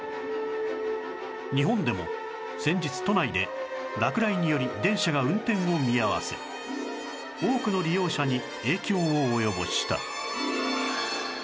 日本でも先日都内で落雷により電車が運転を見合わせ多くの利用者に影響を及ぼした